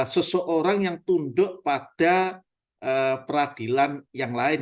seseorang yang tunduk pada peradilan yang lain